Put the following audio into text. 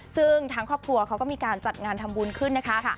ซึ่งทางครอบครัวเขาก็มีการจัดงานทำบุญขึ้นนะคะ